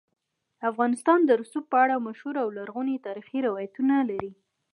افغانستان د رسوب په اړه مشهور او لرغوني تاریخی روایتونه لري.